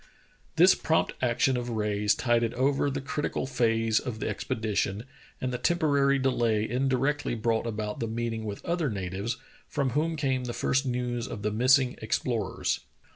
This prompt action of Rae's tided over the critical phase of the expedition, and the temporary delay in directly brought about the meeting with other natives, from whom came the first news of the missing ex plorers.